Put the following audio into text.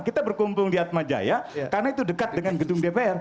kita berkumpul di atmajaya karena itu dekat dengan gedung dpr